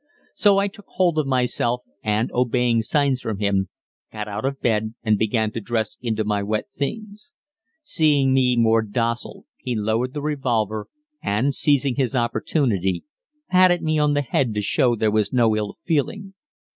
So I took hold of myself and, obeying signs from him, got out of bed and began to dress into my wet things. Seeing me more docile he lowered the revolver and, seizing his opportunity, patted me on the head to show there was no ill feeling.